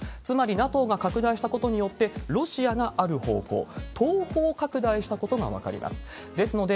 つまり、ＮＡＴＯが拡大したことによって、ロシアがある方向、東方拡大したことが分かります。